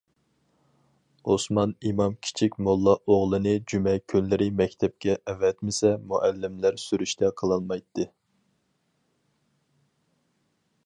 ئوسمان ئىمام كىچىك موللا ئوغلىنى جۈمە كۈنلىرى مەكتەپكە ئەۋەتمىسە مۇئەللىملەر سۈرۈشتە قىلالمايتتى.